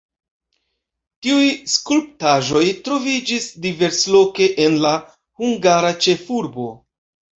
Tiuj skulptaĵoj troviĝis diversloke en la hungara ĉefurbo.